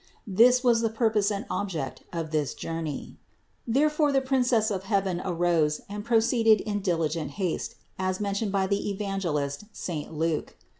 This was the purpose and object of this journey. There fore the Princess of heaven arose and proceeded in diligent haste, as mentioned by the Evangelist saint Luke.